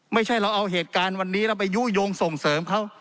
ไม่ใช่เราเอาเหตุการณ์วันนี้เราไปยุโยงส่งเสริมเขา